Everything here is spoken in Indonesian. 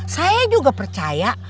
saya juga percaya